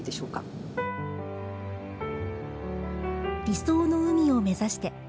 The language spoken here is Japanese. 理想の海を目指して。